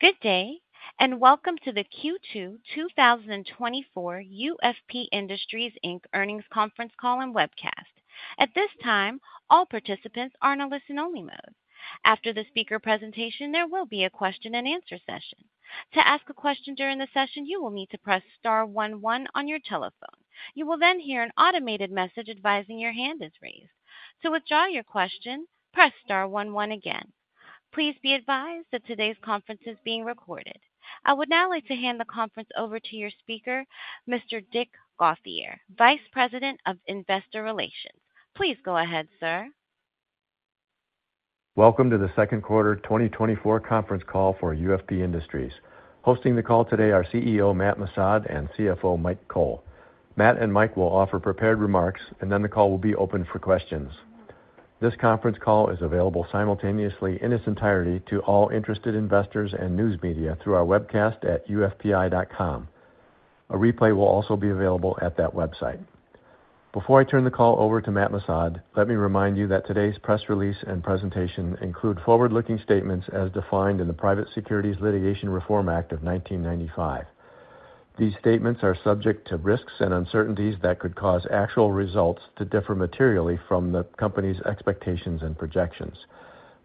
Good day, and welcome to the Q2 2024 UFP Industries Inc Earnings Conference Call and Webcast. At this time, all participants are in a listen-only mode. After the speaker presentation, there will be a question-and-answer session. To ask a question during the session, you will need to press star one one on your telephone. You will then hear an automated message advising your hand is raised. To withdraw your question, press star one one again. Please be advised that today's conference is being recorded. I would now like to hand the conference over to your speaker, Mr. Dick Gauthier, Vice President of Investor Relations. Please go ahead, sir. Welcome to the second quarter 2024 conference call for UFP Industries. Hosting the call today are CEO Matt Missad and CFO Mike Cole. Matt and Mike will offer prepared remarks, and then the call will be open for questions. This conference call is available simultaneously in its entirety to all interested investors and news media through our webcast at ufpi.com. A replay will also be available at that website. Before I turn the call over to Matt Missad, let me remind you that today's press release and presentation include forward-looking statements as defined in the Private Securities Litigation Reform Act of 1995. These statements are subject to risks and uncertainties that could cause actual results to differ materially from the company's expectations and projections.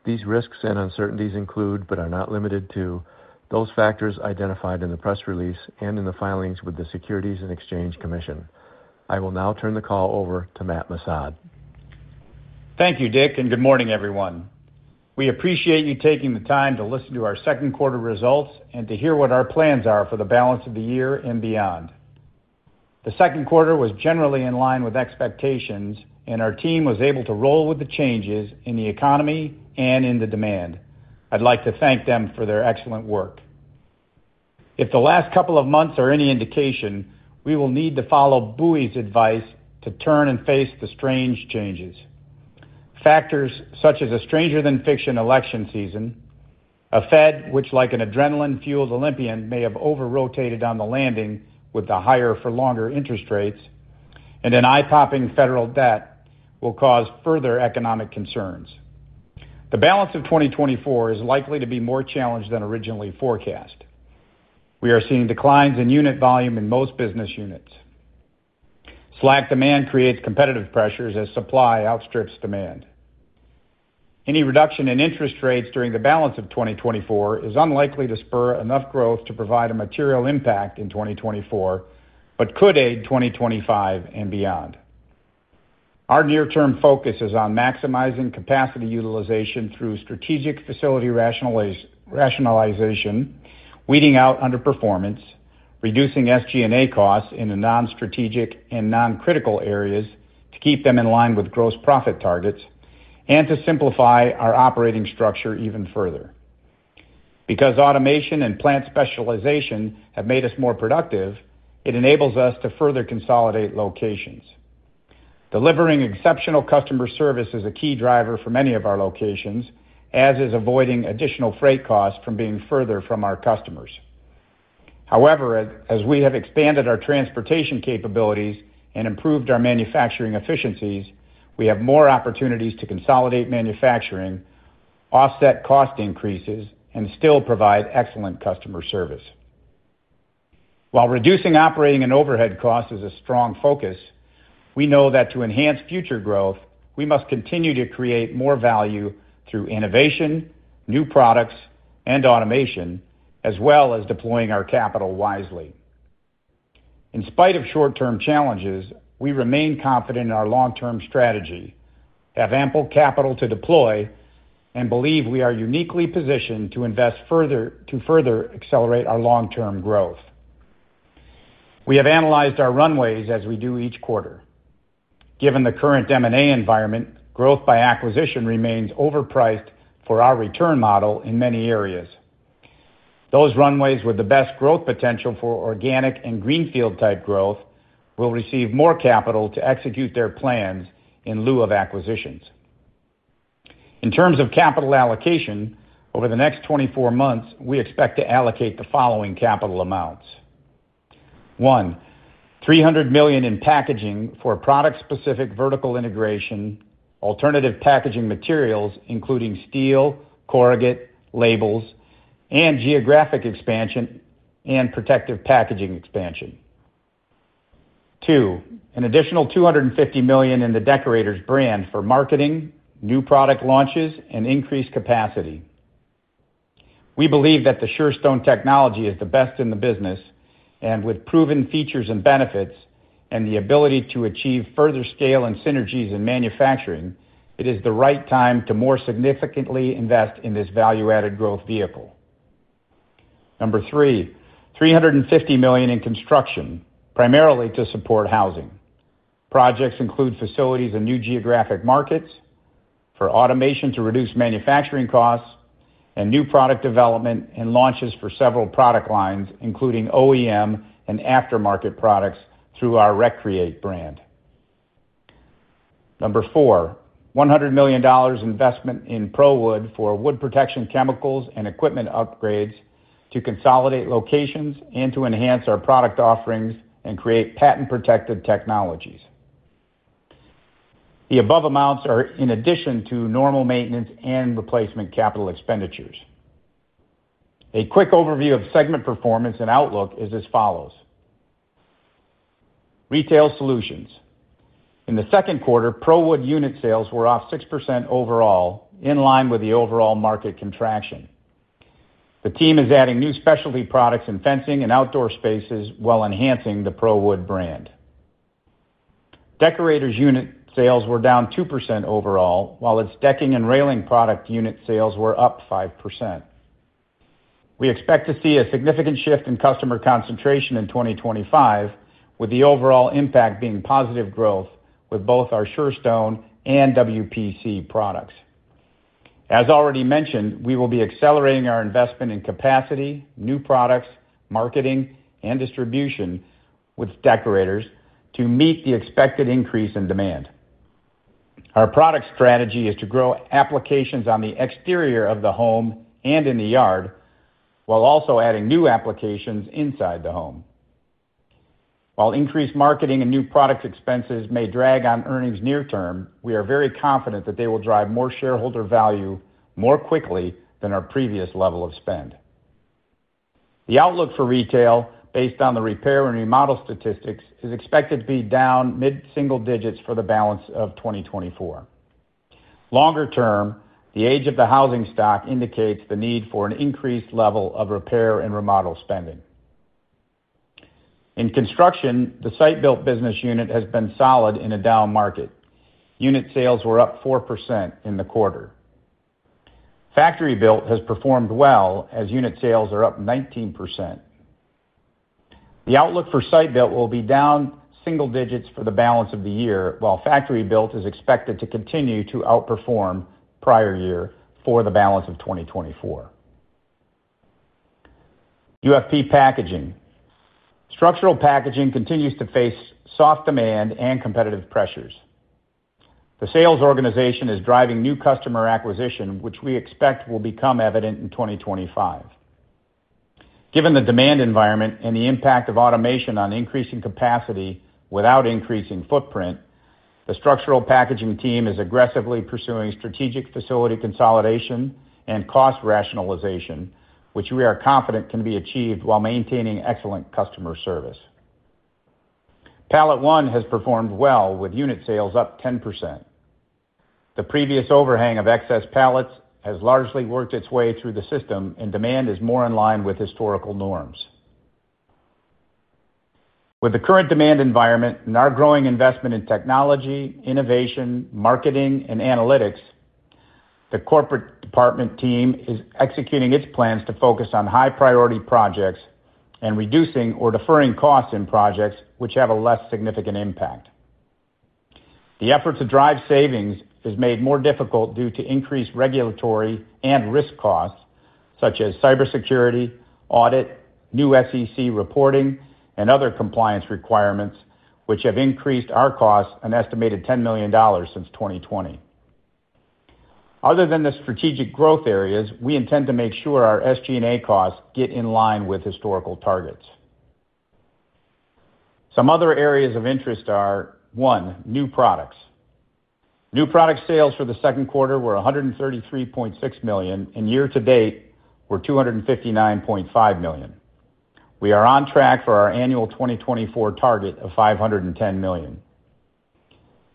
These risks and uncertainties include, but are not limited to, those factors identified in the press release and in the filings with the Securities and Exchange Commission. I will now turn the call over to Matt Missad. Thank you, Dick, and good morning, everyone. We appreciate you taking the time to listen to our second quarter results and to hear what our plans are for the balance of the year and beyond. The second quarter was generally in line with expectations, and our team was able to roll with the changes in the economy and in the demand. I'd like to thank them for their excellent work. If the last couple of months are any indication, we will need to follow Bowie's advice to turn and face the strange changes. Factors such as a stranger-than-fiction election season, a Fed which, like an adrenaline-fueled Olympian, may have over-rotated on the landing with the higher-for-longer interest rates, and an eye-popping federal debt will cause further economic concerns. The balance of 2024 is likely to be more challenged than originally forecast. We are seeing declines in unit volume in most business units. Slack demand creates competitive pressures as supply outstrips demand. Any reduction in interest rates during the balance of 2024 is unlikely to spur enough growth to provide a material impact in 2024 but could aid 2025 and beyond. Our near-term focus is on maximizing capacity utilization through strategic facility rationalization, weeding out underperformance, reducing SG&A costs in the non-strategic and non-critical areas to keep them in line with gross profit targets, and to simplify our operating structure even further. Because automation and plant specialization have made us more productive, it enables us to further consolidate locations. Delivering exceptional customer service is a key driver for many of our locations, as is avoiding additional freight costs from being further from our customers. However, as we have expanded our transportation capabilities and improved our manufacturing efficiencies, we have more opportunities to consolidate manufacturing, offset cost increases, and still provide excellent customer service. While reducing operating and overhead costs is a strong focus, we know that to enhance future growth, we must continue to create more value through innovation, new products, and automation, as well as deploying our capital wisely. In spite of short-term challenges, we remain confident in our long-term strategy, have ample capital to deploy, and believe we are uniquely positioned to invest further to further accelerate our long-term growth. We have analyzed our runways as we do each quarter. Given the current M&A environment, growth by acquisition remains overpriced for our return model in many areas. Those runways with the best growth potential for organic and greenfield-type growth will receive more capital to execute their plans in lieu of acquisitions. In terms of capital allocation, over the next 24 months, we expect to allocate the following capital amounts: one, $300 million in packaging for product-specific vertical integration, alternative packaging materials including steel, corrugated, labels, and geographic expansion and protective packaging expansion; two, an additional $250 million in the Deckorators brand for marketing, new product launches, and increased capacity. We believe that the Surestone technology is the best in the business, and with proven features and benefits and the ability to achieve further scale and synergies in manufacturing, it is the right time to more significantly invest in this value-added growth vehicle. Number three, $350 million in construction, primarily to support housing. Projects include facilities and new geographic markets for automation to reduce manufacturing costs and new product development and launches for several product lines, including OEM and aftermarket products through our ReCreate brand. Number four, $100 million investment in ProWood for wood protection chemicals and equipment upgrades to consolidate locations and to enhance our product offerings and create patent-protected technologies. The above amounts are in addition to normal maintenance and replacement capital expenditures. A quick overview of segment performance and outlook is as follows: Retail Solutions. In the second quarter, ProWood unit sales were off 6% overall, in line with the overall market contraction. The team is adding new specialty products in fencing and outdoor spaces, while enhancing the ProWood brand. Deckorators unit sales were down 2% overall, while its decking and railing product unit sales were up 5%. We expect to see a significant shift in customer concentration in 2025, with the overall impact being positive growth with both our Surestone and WPC products. As already mentioned, we will be accelerating our investment in capacity, new products, marketing, and distribution with Deckorators to meet the expected increase in demand. Our product strategy is to grow applications on the exterior of the home and in the yard, while also adding new applications inside the home. While increased marketing and new product expenses may drag on earnings near-term, we are very confident that they will drive more shareholder value more quickly than our previous level of spend. The outlook for retail, based on the repair and remodel statistics, is expected to be down mid-single digits for the balance of 2024. Longer term, the age of the housing stock indicates the need for an increased level of repair and remodel spending. In construction, the site-built business unit has been solid in a down market. Unit sales were up 4% in the quarter. Factory-built has performed well, as unit sales are up 19%. The outlook for site-built will be down single digits for the balance of the year, while factory-built is expected to continue to outperform prior year for the balance of 2024. UFP Packaging. Structural packaging continues to face soft demand and competitive pressures. The sales organization is driving new customer acquisition, which we expect will become evident in 2025. Given the demand environment and the impact of automation on increasing capacity without increasing footprint, the structural packaging team is aggressively pursuing strategic facility consolidation and cost rationalization, which we are confident can be achieved while maintaining excellent customer service. PalletOne has performed well, with unit sales up 10%. The previous overhang of excess pallets has largely worked its way through the system, and demand is more in line with historical norms. With the current demand environment and our growing investment in technology, innovation, marketing, and analytics, the corporate department team is executing its plans to focus on high-priority projects and reducing or deferring costs in projects which have a less significant impact. The effort to drive savings is made more difficult due to increased regulatory and risk costs, such as cybersecurity, audit, new SEC reporting, and other compliance requirements, which have increased our costs an estimated $10 million since 2020. Other than the strategic growth areas, we intend to make sure our SG&A costs get in line with historical targets. Some other areas of interest are: one, new products. New product sales for the second quarter were $133.6 million, and year-to-date were $259.5 million. We are on track for our annual 2024 target of $510 million.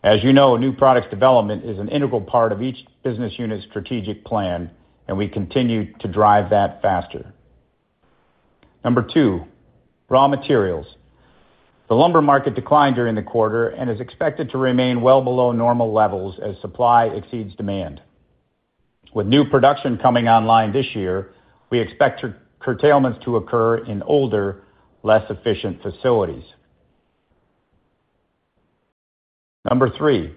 As you know, new products development is an integral part of each business unit's strategic plan, and we continue to drive that faster. Number two, raw materials. The lumber market declined during the quarter and is expected to remain well below normal levels as supply exceeds demand. With new production coming online this year, we expect curtailments to occur in older, less efficient facilities. Number three,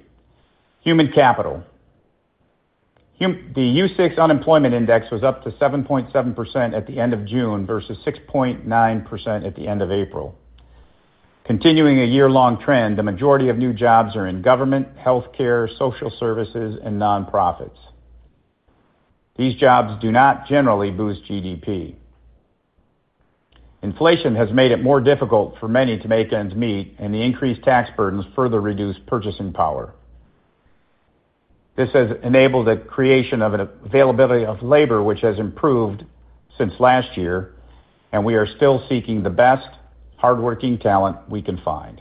human capital. The U.S. unemployment index was up to 7.7% at the end of June versus 6.9% at the end of April. Continuing a year-long trend, the majority of new jobs are in government, healthcare, social services, and nonprofits. These jobs do not generally boost GDP. Inflation has made it more difficult for many to make ends meet, and the increased tax burdens further reduce purchasing power. This has enabled the creation of an availability of labor, which has improved since last year, and we are still seeking the best hardworking talent we can find.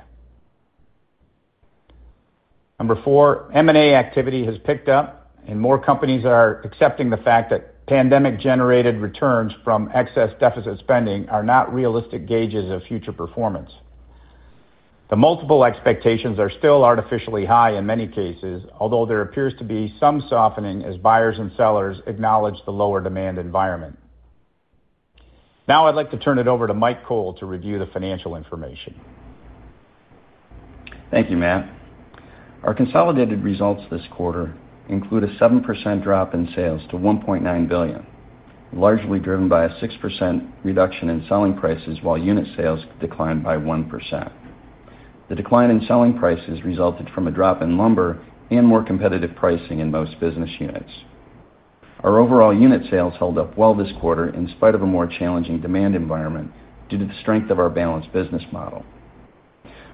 Number four, M&A activity has picked up, and more companies are accepting the fact that pandemic-generated returns from excess deficit spending are not realistic gauges of future performance. The multiple expectations are still artificially high in many cases, although there appears to be some softening as buyers and sellers acknowledge the lower demand environment. Now I'd like to turn it over to Mike Cole to review the financial information. Thank you, Matt. Our consolidated results this quarter include a 7% drop in sales to $1.9 billion, largely driven by a 6% reduction in selling prices, while unit sales declined by 1%. The decline in selling prices resulted from a drop in lumber and more competitive pricing in most business units. Our overall unit sales held up well this quarter in spite of a more challenging demand environment due to the strength of our balanced business model.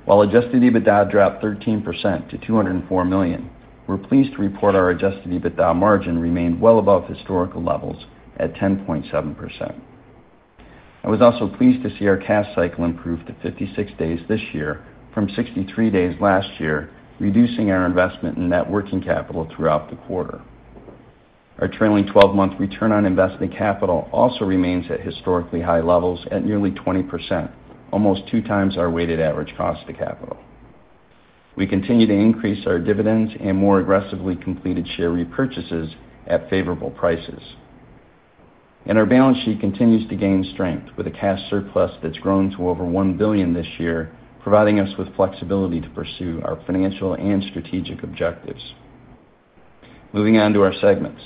While adjusted EBITDA dropped 13% to $204 million, we're pleased to report our adjusted EBITDA margin remained well above historical levels at 10.7%. I was also pleased to see our cash cycle improve to 56 days this year from 63 days last year, reducing our investment in net working capital throughout the quarter. Our trailing 12-month return on invested capital also remains at historically high levels at nearly 20%, almost two times our weighted average cost of capital. We continue to increase our dividends and more aggressively completed share repurchases at favorable prices. Our balance sheet continues to gain strength with a cash surplus that's grown to over $1 billion this year, providing us with flexibility to pursue our financial and strategic objectives. Moving on to our segments.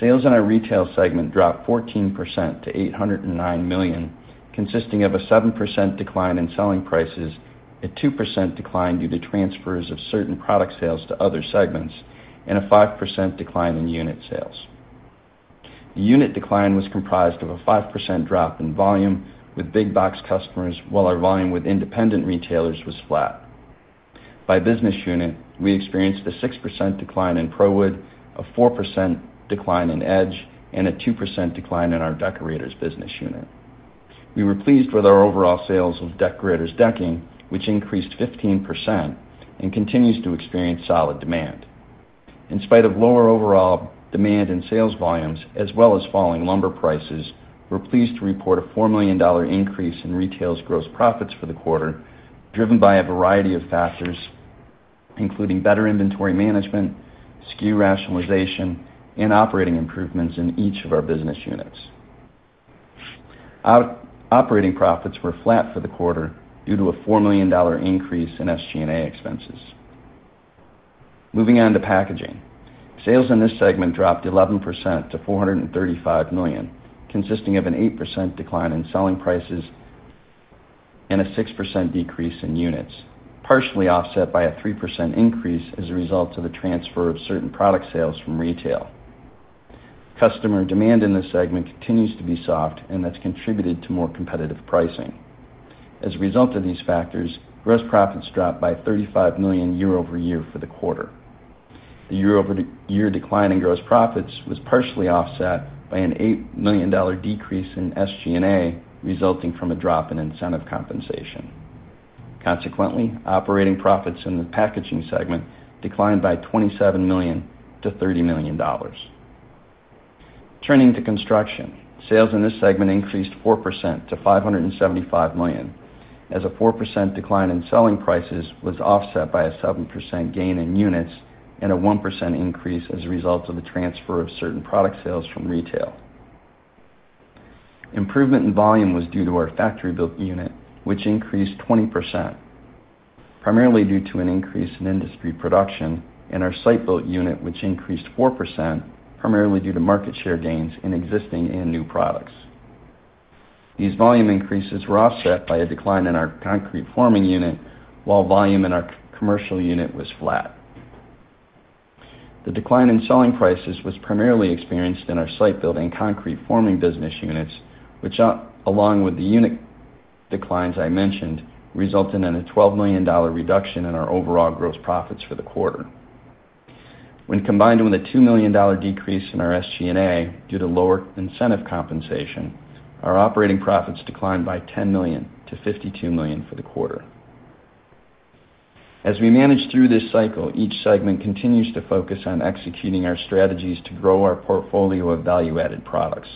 Sales in our retail segment dropped 14% to $809 million, consisting of a 7% decline in selling prices, a 2% decline due to transfers of certain product sales to other segments, and a 5% decline in unit sales. The unit decline was comprised of a 5% drop in volume with big box customers, while our volume with independent retailers was flat. By business unit, we experienced a 6% decline in ProWood, a 4% decline in Edge, and a 2% decline in our Deckorators business unit. We were pleased with our overall sales of Deckorators decking, which increased 15% and continues to experience solid demand. In spite of lower overall demand and sales volumes, as well as falling lumber prices, we're pleased to report a $4 million increase in retail's gross profits for the quarter, driven by a variety of factors, including better inventory management, SKU rationalization, and operating improvements in each of our business units. Operating profits were flat for the quarter due to a $4 million increase in SG&A expenses. Moving on to packaging. Sales in this segment dropped 11% to $435 million, consisting of an 8% decline in selling prices and a 6% decrease in units, partially offset by a 3% increase as a result of the transfer of certain product sales from retail. Customer demand in this segment continues to be soft, and that's contributed to more competitive pricing. As a result of these factors, gross profits dropped by $35 million year-over-year for the quarter. The year-over-year decline in gross profits was partially offset by an $8 million decrease in SG&A, resulting from a drop in incentive compensation. Consequently, operating profits in the packaging segment declined by $27 million to $30 million. Turning to construction, sales in this segment increased 4% to $575 million, as a 4% decline in selling prices was offset by a 7% gain in units and a 1% increase as a result of the transfer of certain product sales from retail. Improvement in volume was due to our factory-built unit, which increased 20%, primarily due to an increase in industry production, and our site-built unit, which increased 4%, primarily due to market share gains in existing and new products. These volume increases were offset by a decline in our concrete forming unit, while volume in our commercial unit was flat. The decline in selling prices was primarily experienced in our site-built and concrete forming business units, which, along with the unit declines I mentioned, resulted in a $12 million reduction in our overall gross profits for the quarter. When combined with a $2 million decrease in our SG&A due to lower incentive compensation, our operating profits declined by $10 million to $52 million for the quarter. As we manage through this cycle, each segment continues to focus on executing our strategies to grow our portfolio of value-added products.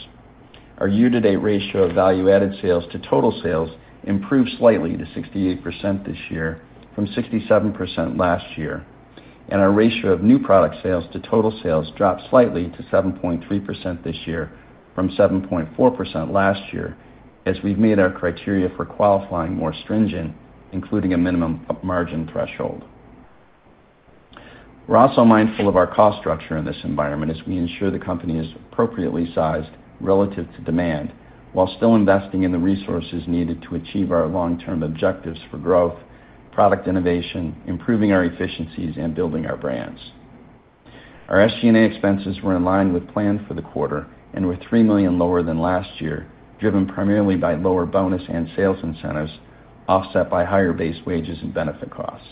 Our year-to-date ratio of value-added sales to total sales improved slightly to 68% this year from 67% last year, and our ratio of new product sales to total sales dropped slightly to 7.3% this year from 7.4% last year, as we've made our criteria for qualifying more stringent, including a minimum margin threshold. We're also mindful of our cost structure in this environment as we ensure the company is appropriately sized relative to demand, while still investing in the resources needed to achieve our long-term objectives for growth, product innovation, improving our efficiencies, and building our brands. Our SG&A expenses were in line with plan for the quarter and were $3 million lower than last year, driven primarily by lower bonus and sales incentives, offset by higher base wages and benefit costs.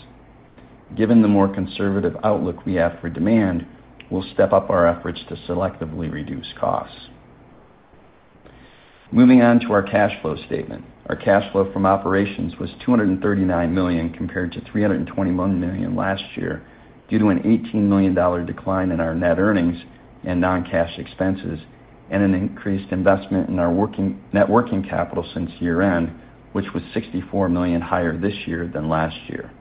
Given the more conservative outlook we have for demand, we'll step up our efforts to selectively reduce costs. Moving on to our cash flow statement. Our cash flow from operations was $239 million compared to $321 million last year due to an $18 million decline in our net earnings and non-cash expenses and an increased investment in our net working capital since year-end, which was $64 million higher this year than last year.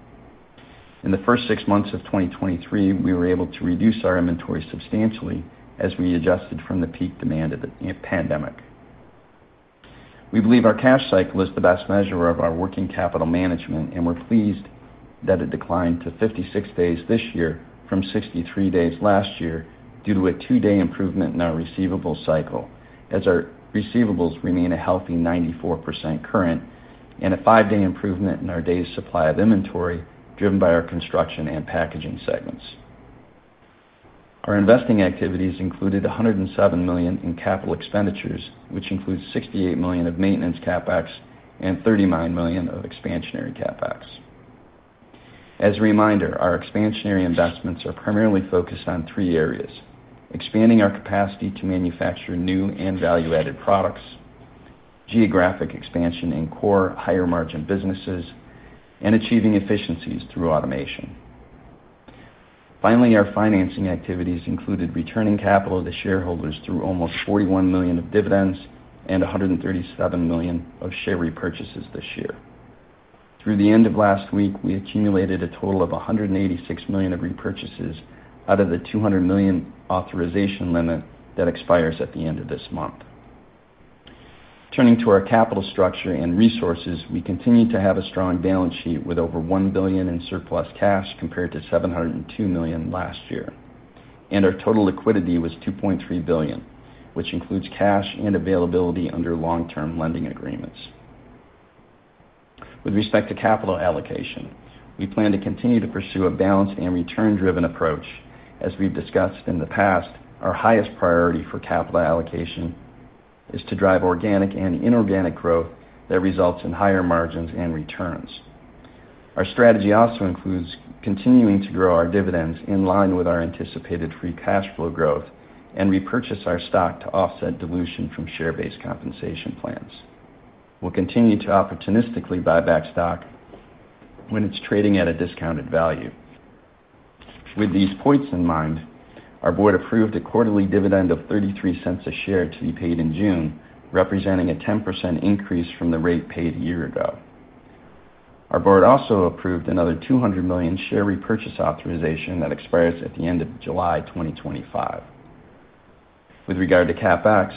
In the first six months of 2023, we were able to reduce our inventory substantially as we adjusted from the peak demand of the pandemic. We believe our cash cycle is the best measure of our working capital management, and we're pleased that it declined to 56 days this year from 63 days last year due to a two-day improvement in our receivables cycle, as our receivables remain a healthy 94% current, and a five-day improvement in our day's supply of inventory driven by our construction and packaging segments. Our investing activities included $107 million in capital expenditures, which includes $68 million of maintenance CapEx and $39 million of expansionary CapEx. As a reminder, our expansionary investments are primarily focused on three areas: expanding our capacity to manufacture new and value-added products, geographic expansion in core higher-margin businesses, and achieving efficiencies through automation. Finally, our financing activities included returning capital to shareholders through almost $41 million of dividends and $137 million of share repurchases this year. Through the end of last week, we accumulated a total of $186 million of repurchases out of the $200 million authorization limit that expires at the end of this month. Turning to our capital structure and resources, we continue to have a strong balance sheet with over $1 billion in surplus cash compared to $702 million last year, and our total liquidity was $2.3 billion, which includes cash and availability under long-term lending agreements. With respect to capital allocation, we plan to continue to pursue a balanced and return-driven approach. As we've discussed in the past, our highest priority for capital allocation is to drive organic and inorganic growth that results in higher margins and returns. Our strategy also includes continuing to grow our dividends in line with our anticipated free cash flow growth and repurchase our stock to offset dilution from share-based compensation plans. We'll continue to opportunistically buy back stock when it's trading at a discounted value. With these points in mind, our board approved a quarterly dividend of $0.33 a share to be paid in June, representing a 10% increase from the rate paid a year ago. Our board also approved another $200 million share repurchase authorization that expires at the end of July 2025. With regard to CapEx,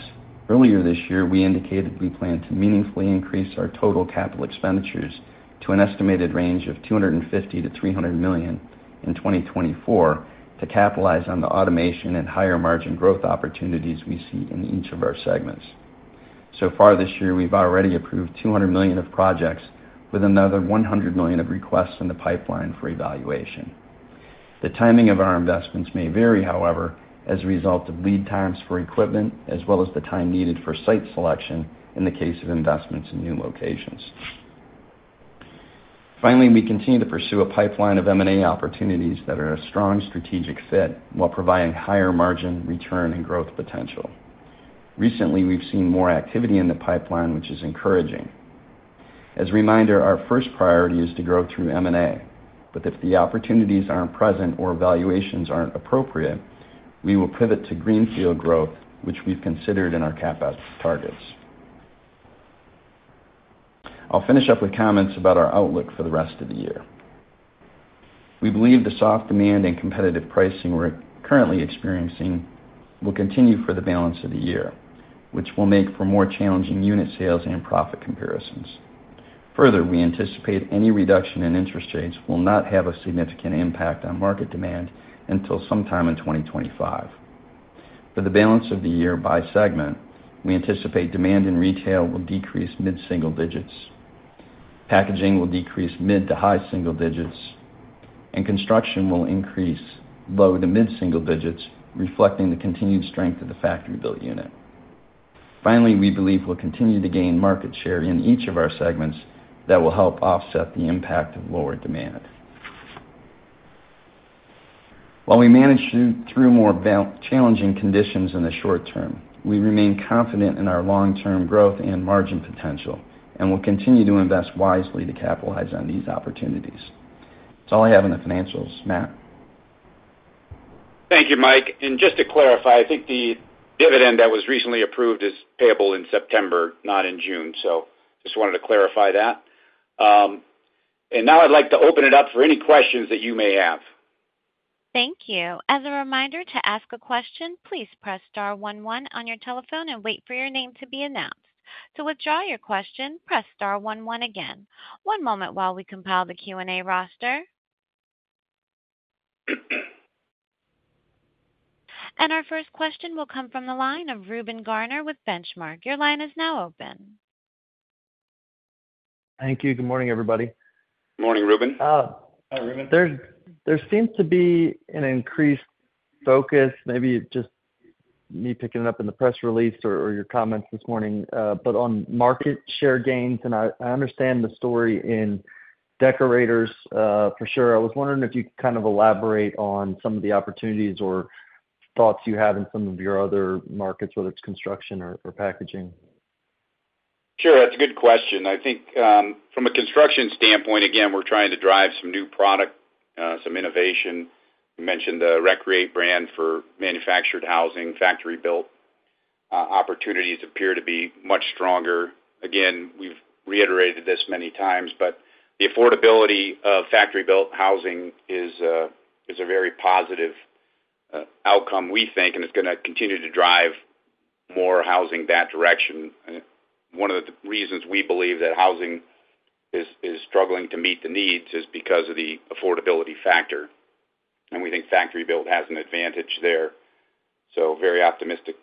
earlier this year, we indicated we plan to meaningfully increase our total capital expenditures to an estimated range of $250 million-$300 million in 2024 to capitalize on the automation and higher-margin growth opportunities we see in each of our segments. So far this year, we've already approved $200 million of projects with another $100 million of requests in the pipeline for evaluation. The timing of our investments may vary, however, as a result of lead times for equipment, as well as the time needed for site selection in the case of investments in new locations. Finally, we continue to pursue a pipeline of M&A opportunities that are a strong strategic fit while providing higher margin, return, and growth potential. Recently, we've seen more activity in the pipeline, which is encouraging. As a reminder, our first priority is to grow through M&A, but if the opportunities aren't present or valuations aren't appropriate, we will pivot to greenfield growth, which we've considered in our CapEx targets. I'll finish up with comments about our outlook for the rest of the year. We believe the soft demand and competitive pricing we're currently experiencing will continue for the balance of the year, which will make for more challenging unit sales and profit comparisons. Further, we anticipate any reduction in interest rates will not have a significant impact on market demand until sometime in 2025. For the balance of the year by segment, we anticipate demand in retail will decrease mid-single digits, packaging will decrease mid to high single digits, and construction will increase low to mid-single digits, reflecting the continued strength of the factory-built unit. Finally, we believe we'll continue to gain market share in each of our segments that will help offset the impact of lower demand. While we manage through more challenging conditions in the short term, we remain confident in our long-term growth and margin potential and will continue to invest wisely to capitalize on these opportunities. That's all I have on the financials, Matt. Thank you, Mike. And just to clarify, I think the dividend that was recently approved is payable in September, not in June, so just wanted to clarify that. And now I'd like to open it up for any questions that you may have. Thank you. As a reminder to ask a question, please press star one one on your telephone and wait for your name to be announced. To withdraw your question, press star one one again. One moment while we compile the Q&A roster. And our first question will come from the line of Reuben Garner with Benchmark. Your line is now open. Thank you. Good morning, everybody. Good morning, Reuben. Hi, Reuben. There seems to be an increased focus, maybe just me picking it up in the press release or your comments this morning, but on market share gains. And I understand the story in Deckorators, for sure. I was wondering if you could kind of elaborate on some of the opportunities or thoughts you have in some of your other markets, whether it's construction or packaging. Sure. That's a good question. I think from a construction standpoint, again, we're trying to drive some new product, some innovation. You mentioned the ReCreate brand for manufactured housing. Factory-built opportunities appear to be much stronger. Again, we've reiterated this many times, but the affordability of factory-built housing is a very positive outcome, we think, and it's going to continue to drive more housing that direction. One of the reasons we believe that housing is struggling to meet the needs is because of the affordability factor, and we think factory-built has an advantage there. So very optimistic.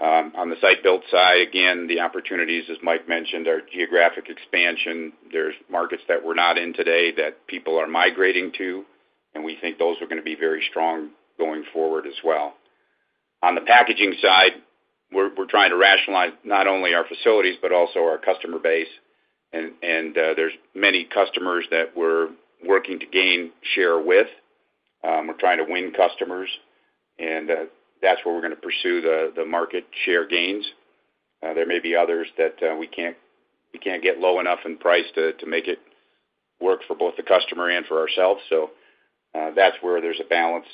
On the site-built side, again, the opportunities, as Mike mentioned, are geographic expansion. are markets that we're not in today that people are migrating to, and we think those are going to be very strong going forward as well. On the packaging side, we're trying to rationalize not only our facilities but also our customer base. There's many customers that we're working to gain share with. We're trying to win customers, and that's where we're going to pursue the market share gains. There may be others that we can't get low enough in price to make it work for both the customer and for ourselves. That's where there's a balance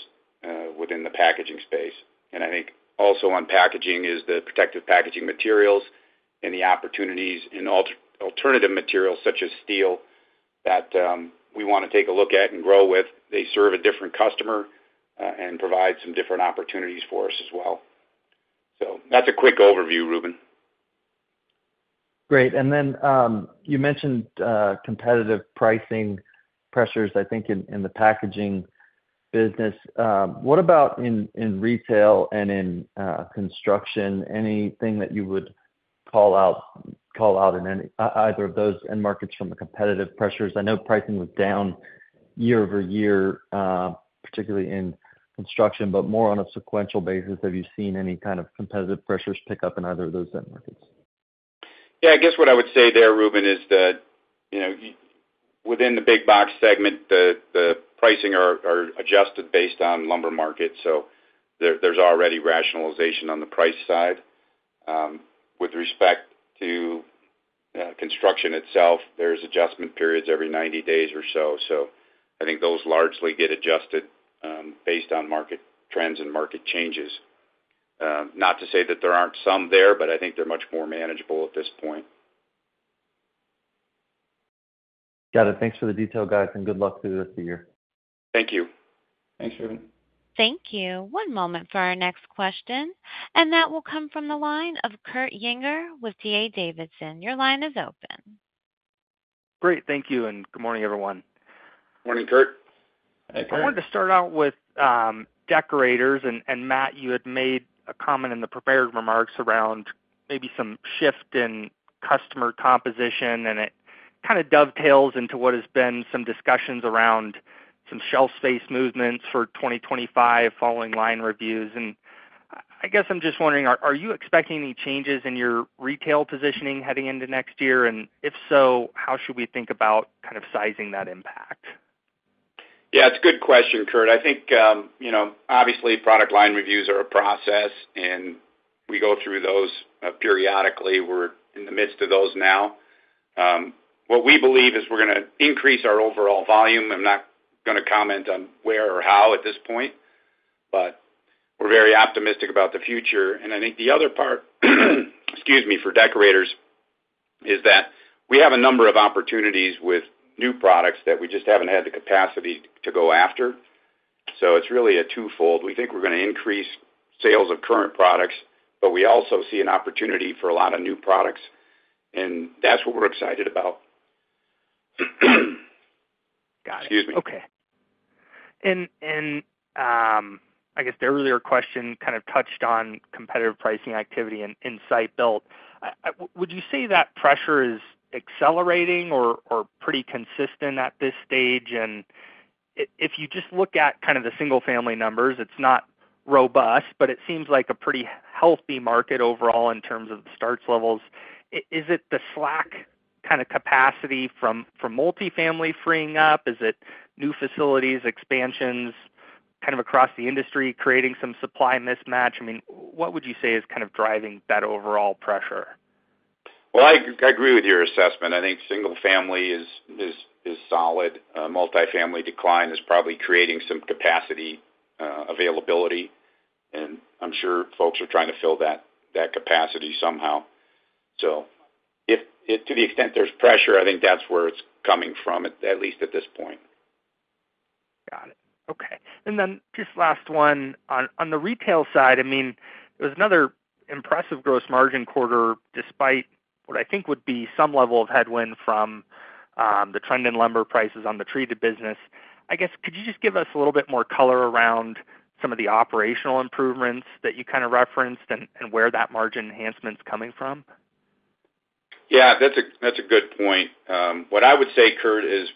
within the packaging space. I think also on packaging is the protective packaging materials and the opportunities in alternative materials such as steel that we want to take a look at and grow with. They serve a different customer and provide some different opportunities for us as well. So that's a quick overview, Reuben. Great. And then you mentioned competitive pricing pressures, I think, in the packaging business. What about in retail and in construction? Anything that you would call out in either of those end markets from the competitive pressures? I know pricing was down year-over-year, particularly in construction, but more on a sequential basis. Have you seen any kind of competitive pressures pick up in either of those end markets? Yeah. I guess what I would say there, Reuben, is that within the big box segment, the pricing are adjusted based on lumber market. So there's already rationalization on the price side. With respect to construction itself, there's adjustment periods every 90 days or so. So I think those largely get adjusted based on market trends and market changes. Not to say that there aren't some there, but I think they're much more manageable at this point. Got it. Thanks for the detail, guys, and good luck through the rest of the year. Thank you. Thanks, Reuben. Thank you. One moment for our next question, and that will come from the line of Kurt Yinger with D.A. Davidson. Your line is open. Great. Thank you, and good morning, everyone. Morning, Kurt. Hey, Kurt. I wanted to start out with Deckorators. And Matt, you had made a comment in the prepared remarks around maybe some shift in customer composition, and it kind of dovetails into what has been some discussions around some shelf space movements for 2025 following line reviews. And I guess I'm just wondering, are you expecting any changes in your retail positioning heading into next year? And if so, how should we think about kind of sizing that impact? Yeah. It's a good question, Kurt. I think obviously product line reviews are a process, and we go through those periodically. We're in the midst of those now. What we believe is we're going to increase our overall volume. I'm not going to comment on where or how at this point, but we're very optimistic about the future. And I think the other part, excuse me, for Deckorators is that we have a number of opportunities with new products that we just haven't had the capacity to go after. So it's really a twofold. We think we're going to increase sales of current products, but we also see an opportunity for a lot of new products, and that's what we're excited about. Excuse me. Got it. Okay. I guess the earlier question kind of touched on competitive pricing activity and site-built. Would you say that pressure is accelerating or pretty consistent at this stage? If you just look at kind of the single-family numbers, it's not robust, but it seems like a pretty healthy market overall in terms of the starts levels. Is it the slack kind of capacity from multifamily freeing up? Is it new facilities, expansions kind of across the industry creating some supply mismatch? I mean, what would you say is kind of driving that overall pressure? Well, I agree with your assessment. I think single-family is solid. Multifamily decline is probably creating some capacity availability, and I'm sure folks are trying to fill that capacity somehow. So to the extent there's pressure, I think that's where it's coming from, at least at this point. Got it. Okay. And then just last one. On the retail side, I mean, it was another impressive gross margin quarter despite what I think would be some level of headwind from the trend in lumber prices on the treated business. I guess could you just give us a little bit more color around some of the operational improvements that you kind of referenced and where that margin enhancement's coming from? Yeah. That's a good point. What I would say, Kurt, is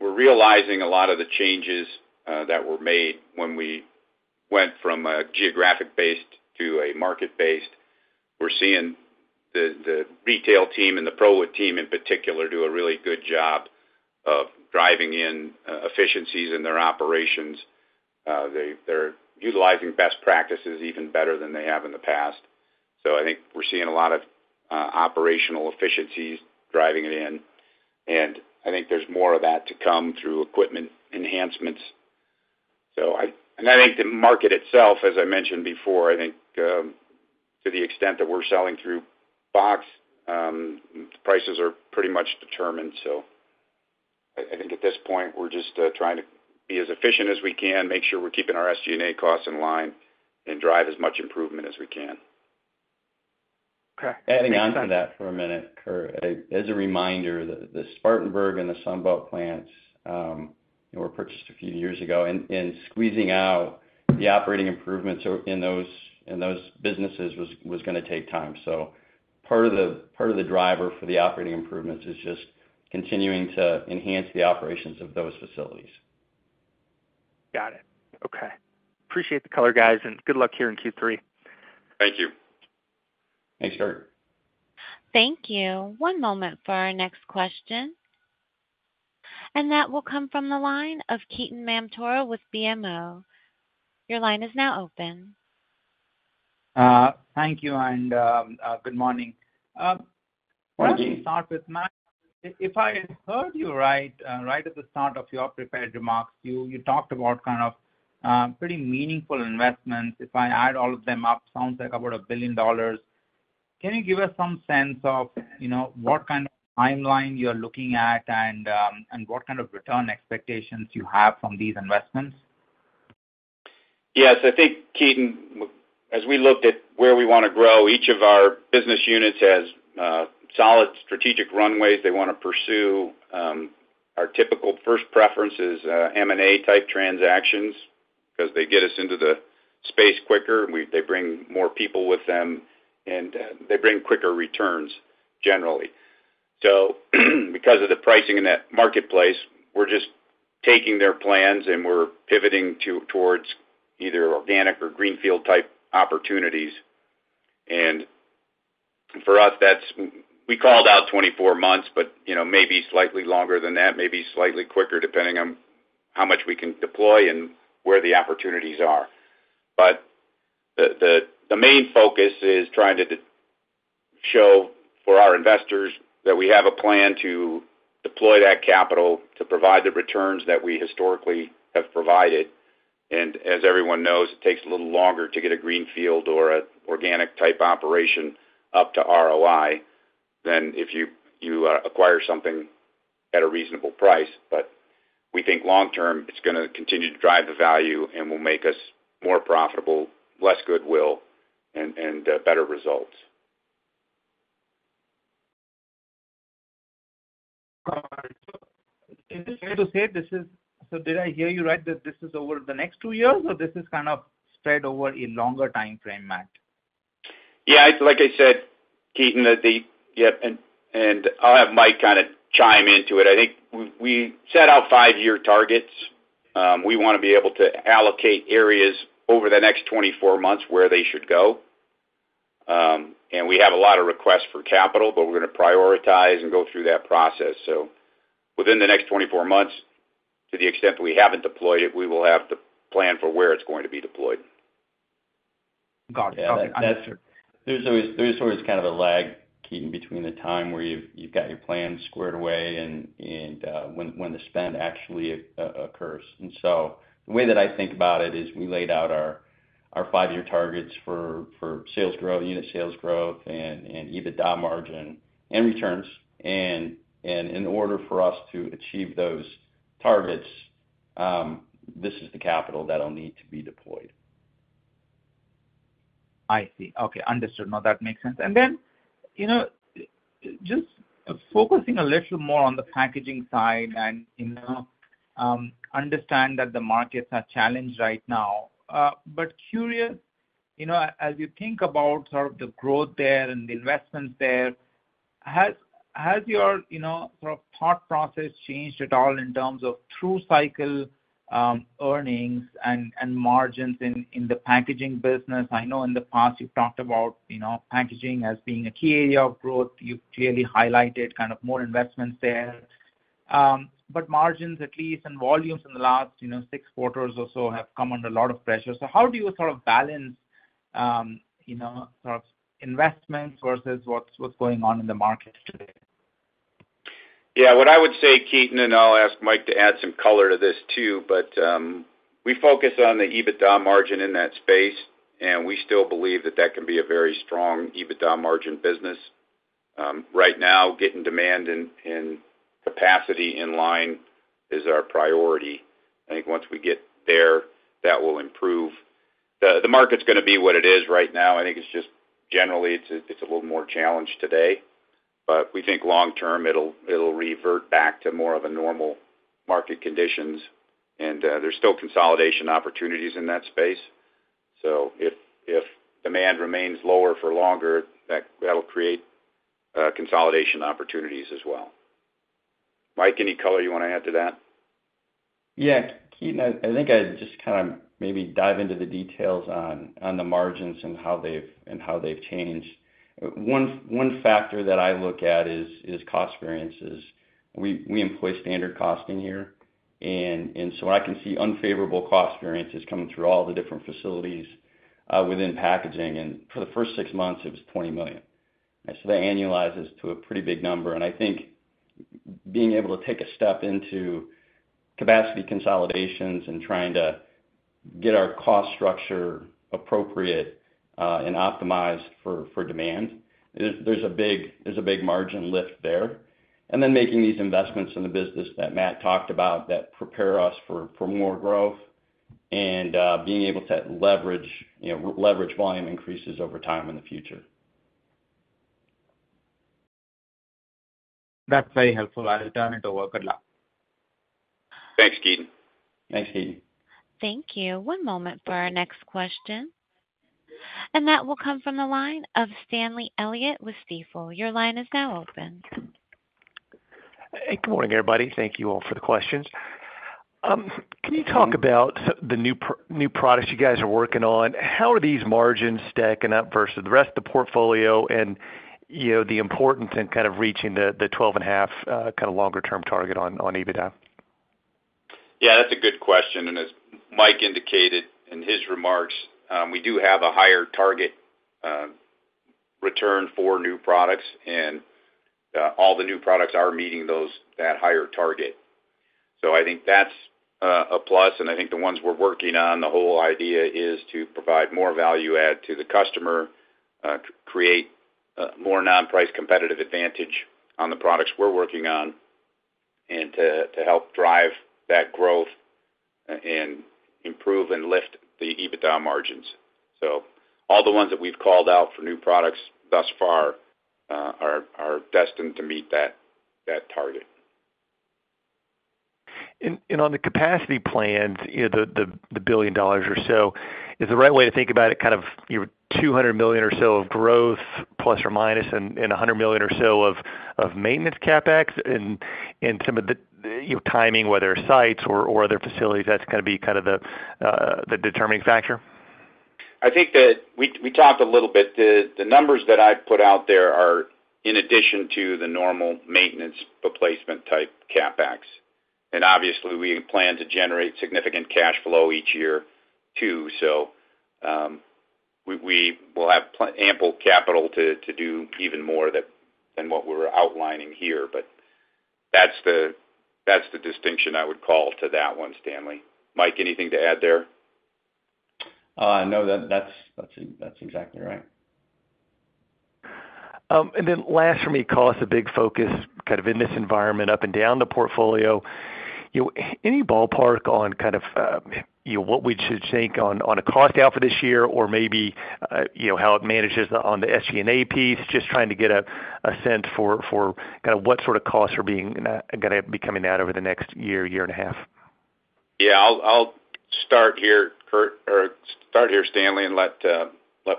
we're realizing a lot of the changes that were made when we went from a geographic-based to a market-based. We're seeing the retail team and the ProWood team in particular do a really good job of driving in efficiencies in their operations. They're utilizing best practices even better than they have in the past. So I think we're seeing a lot of operational efficiencies driving it in, and I think there's more of that to come through equipment enhancements. And I think the market itself, as I mentioned before, I think to the extent that we're selling through box, prices are pretty much determined. So I think at this point, we're just trying to be as efficient as we can, make sure we're keeping our SG&A costs in line, and drive as much improvement as we can. Okay. Adding on to that for a minute, Kurt, as a reminder, the Spartanburg and the Sunbelt plants were purchased a few years ago, and squeezing out the operating improvements in those businesses was going to take time. So part of the driver for the operating improvements is just continuing to enhance the operations of those facilities. Got it. Okay. Appreciate the color, guys, and good luck here in Q3. Thank you. Thanks, Kurt. Thank you. One moment for our next question. That will come from the line of Ketan Mamtora with BMO. Your line is now open. Thank you, and good morning. Why don't we start with Matt? If I heard you right at the start of your prepared remarks, you talked about kind of pretty meaningful investments. If I add all of them up, it sounds like about $1 billion. Can you give us some sense of what kind of timeline you're looking at and what kind of return expectations you have from these investments? Yes. I think Ketan, as we looked at where we want to grow, each of our business units has solid strategic runways they want to pursue. Our typical first preference is M&A-type transactions because they get us into the space quicker. They bring more people with them, and they bring quicker returns generally. So because of the pricing in that marketplace, we're just taking their plans, and we're pivoting towards either organic or greenfield-type opportunities. For us, we called out 24 months, but maybe slightly longer than that, maybe slightly quicker, depending on how much we can deploy and where the opportunities are. The main focus is trying to show for our investors that we have a plan to deploy that capital to provide the returns that we historically have provided. As everyone knows, it takes a little longer to get a greenfield or an organic-type operation up to ROI than if you acquire something at a reasonable price. We think long-term, it's going to continue to drive the value and will make us more profitable, less goodwill, and better results. All right. So did I hear you right that this is over the next two years, or this is kind of spread over a longer time frame, Matt? Yeah. It's like I said, Ketan, that the—yeah. And I'll have Mike kind of chime into it. I think we set out five-year targets. We want to be able to allocate areas over the next 24 months where they should go. And we have a lot of requests for capital, but we're going to prioritize and go through that process. So within the next 24 months, to the extent that we haven't deployed it, we will have to plan for where it's going to be deployed. Got it. Okay. There's always kind of a lag, Ketan, between the time where you've got your plans squared away and when the spend actually occurs. So the way that I think about it is we laid out our five-year targets for unit sales growth and EBITDA margin and returns. In order for us to achieve those targets, this is the capital that'll need to be deployed. I see. Okay. Understood. No, that makes sense. Then just focusing a little more on the packaging side and understand that the markets are challenged right now. But curious, as you think about sort of the growth there and the investments there, has your sort of thought process changed at all in terms of through cycle earnings and margins in the packaging business? I know in the past you've talked about packaging as being a key area of growth. You've clearly highlighted kind of more investments there. But margins, at least, and volumes in the last six quarters or so have come under a lot of pressure. So how do you sort of balance sort of investments versus what's going on in the market today? Yeah. What I would say, Ketan, and I'll ask Mike to add some color to this too, but we focus on the EBITDA margin in that space, and we still believe that that can be a very strong EBITDA margin business. Right now, getting demand and capacity in line is our priority. I think once we get there, that will improve. The market's going to be what it is right now. I think it's just generally, it's a little more challenged today. But we think long-term, it'll revert back to more of a normal market conditions, and there's still consolidation opportunities in that space. So if demand remains lower for longer, that'll create consolidation opportunities as well. Mike, any color you want to add to that? Yeah. Ketan, I think I'd just kind of maybe dive into the details on the margins and how they've changed. One factor that I look at is cost variances. We employ standard costing here, and so I can see unfavorable cost variances coming through all the different facilities within packaging. And for the first six months, it was $20 million. So that annualizes to a pretty big number. And I think being able to take a step into capacity consolidations and trying to get our cost structure appropriate and optimized for demand, there's a big margin lift there. And then making these investments in the business that Matt talked about that prepare us for more growth and being able to leverage volume increases over time in the future. That's very helpful. I'll turn it over to Matt. Thanks, Ketan. Thanks, Ketan. Thank you. One moment for our next question. And that will come from the line of Stanley Elliott with Stifel. Your line is now open. Hey, good morning, everybody. Thank you all for the questions. Can you talk about the new products you guys are working on? How are these margins stacking up versus the rest of the portfolio and the importance in kind of reaching the 12.5 kind of longer-term target on EBITDA? Yeah. That's a good question. And as Mike indicated in his remarks, we do have a higher target return for new products, and all the new products are meeting that higher target. So I think that's a plus. And I think the ones we're working on, the whole idea is to provide more value-add to the customer, create more non-price competitive advantage on the products we're working on, and to help drive that growth and improve and lift the EBITDA margins. So all the ones that we've called out for new products thus far are destined to meet that target. And on the capacity plans, the $1 billion or so is the right way to think about it kind of ±$200 million or so of growth, and $100 million or so of maintenance CapEx and some of the timing, whether sites or other facilities, that's going to be kind of the determining factor? I think that we talked a little bit. The numbers that I put out there are in addition to the normal maintenance replacement-type CapEx. Obviously, we plan to generate significant cash flow each year too. So we will have ample capital to do even more than what we're outlining here. But that's the distinction I would call to that one, Stanley. Mike, anything to add there? No, that's exactly right. And then last for me, cost, a big focus kind of in this environment up and down the portfolio. Any ballpark on kind of what we should think on a cost out for this year or maybe how it manages on the SG&A piece, just trying to get a sense for kind of what sort of costs are going to be coming out over the next year, year and a half? Yeah. I'll start here, Kurt, or start here, Stanley, and let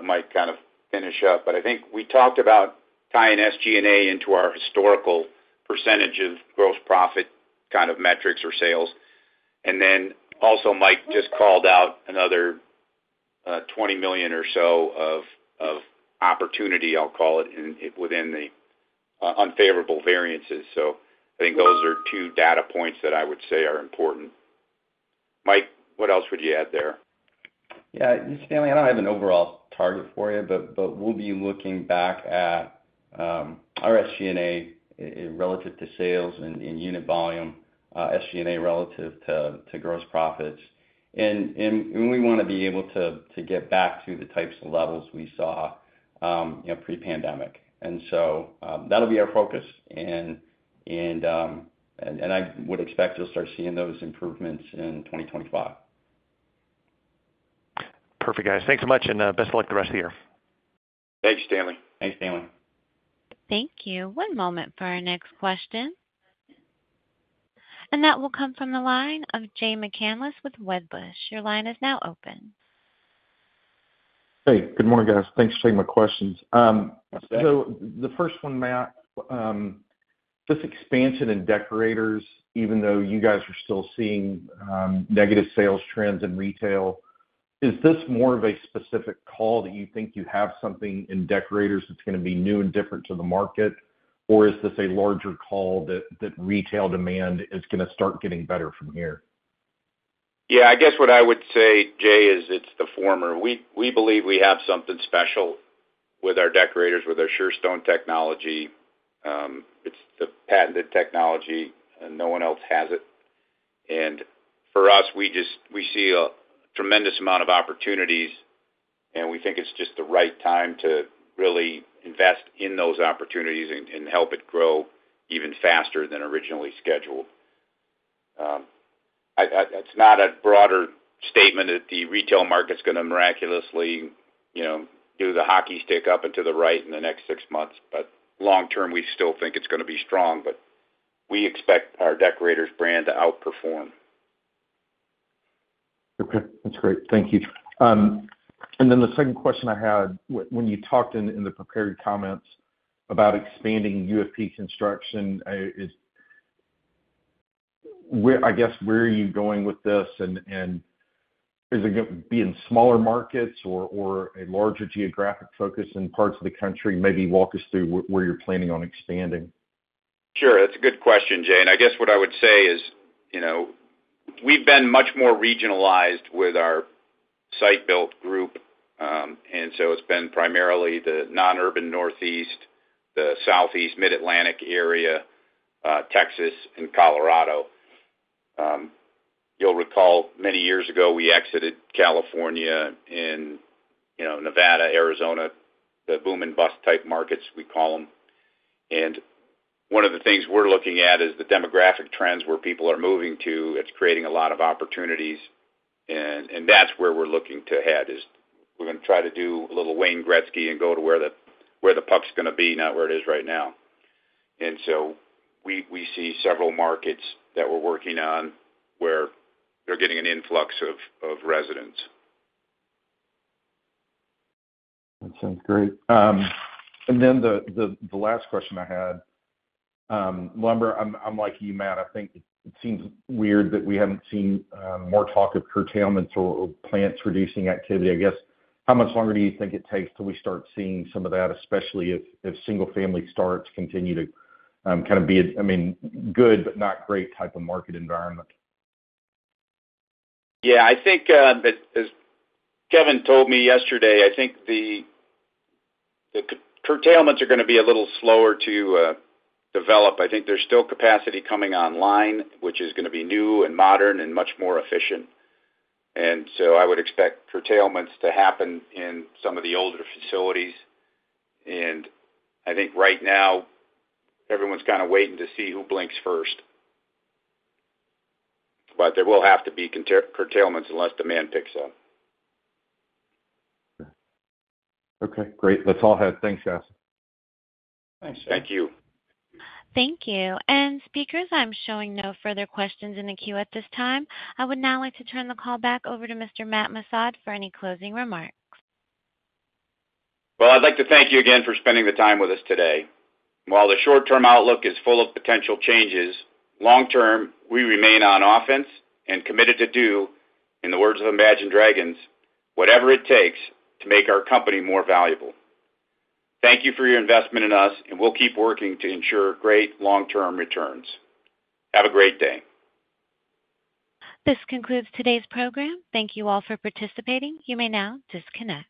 Mike kind of finish up. But I think we talked about tying SG&A into our historical percentage of gross profit kind of metrics or sales. And then also, Mike just called out another $20 million or so of opportunity, I'll call it, within the unfavorable variances. So I think those are two data points that I would say are important. Mike, what else would you add there? Yeah. Stanley, I don't have an overall target for you, but we'll be looking back at our SG&A relative to sales and unit volume, SG&A relative to gross profits. And we want to be able to get back to the types of levels we saw pre-pandemic. And so that'll be our focus. And I would expect to start seeing those improvements in 2025. Perfect, guys. Thanks so much, and best of luck the rest of the year. Thanks, Stanley. Thanks, Stanley. Thank you. One moment for our next question. That will come from the line of Jay McCanless with Wedbush. Your line is now open. Hey, good morning, guys. Thanks for taking my questions. The first one, Matt, this expansion in Deckorators, even though you guys are still seeing negative sales trends in retail, is this more of a specific call that you think you have something in Deckorators that's going to be new and different to the market, or is this a larger call that retail demand is going to start getting better from here? Yeah. I guess what I would say, Jay, is it's the former. We believe we have something special with our Deckorators, with our Surestone technology. It's the patented technology, and no one else has it. And for us, we see a tremendous amount of opportunities, and we think it's just the right time to really invest in those opportunities and help it grow even faster than originally scheduled. It's not a broader statement that the retail market's going to miraculously do the hockey stick up and to the right in the next six months. But long-term, we still think it's going to be strong, but we expect our Deckorators brand to outperform. Okay. That's great. Thank you. And then the second question I had, when you talked in the prepared comments about expanding UFP construction, I guess, where are you going with this? And is it going to be in smaller markets or a larger geographic focus in parts of the country? Maybe walk us through where you're planning on expanding. Sure. That's a good question, Jay. And I guess what I would say is we've been much more regionalized with our site-built group. And so it's been primarily the non-urban Northeast, the Southeast, Mid-Atlantic area, Texas, and Colorado. You'll recall many years ago, we exited California and Nevada, Arizona, the boom and bust-type markets, we call them. And one of the things we're looking at is the demographic trends where people are moving to. It's creating a lot of opportunities. And that's where we're looking to head, is we're going to try to do a little Wayne Gretzky and go to where the puck's going to be, not where it is right now. And so we see several markets that we're working on where they're getting an influx of residents. That sounds great. And then the last question I had, on lumber, I'm like you, Matt. I think it seems weird that we haven't seen more talk of curtailments or plants reducing activity. I guess, how much longer do you think it takes till we start seeing some of that, especially if single-family starts continue to kind of be, I mean, good but not great type of market environment? Yeah. I think, as Kevin told me yesterday, I think the curtailments are going to be a little slower to develop. I think there's still capacity coming online, which is going to be new and modern and much more efficient. And so I would expect curtailments to happen in some of the older facilities. And I think right now, everyone's kind of waiting to see who blinks first. But there will have to be curtailments unless demand picks up. Okay. Great. That's all I had. Thanks, guys. Thanks, Jay. Thank you. Thank you. Speakers, I'm showing no further questions in the queue at this time. I would now like to turn the call back over to Mr. Matt Missad for any closing remarks. Well, I'd like to thank you again for spending the time with us today. While the short-term outlook is full of potential changes, long-term, we remain on offense and committed to do, in the words of Imagine Dragons, whatever it takes to make our company more valuable. Thank you for your investment in us, and we'll keep working to ensure great long-term returns. Have a great day. This concludes today's program. Thank you all for participating. You may now disconnect.